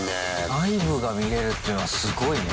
内部が見れるっていうのはすごいね。